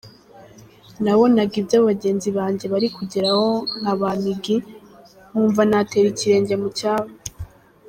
Nabonaga ibyo bagenzi banjye bari kugeraho nka ba Miggy , nkumva natera ikirenge mu cyabo.